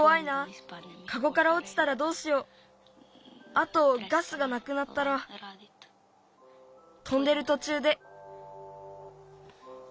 あとガスがなくなったら飛んでるとちゅうで。